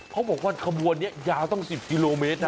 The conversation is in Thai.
เขาบอกว่าขบวนนี้ยาวตั้ง๑๐กิโลเมตรนะ